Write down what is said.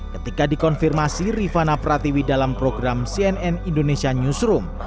ketika dikonfirmasi rifana pratiwi dalam program cnn indonesia newsroom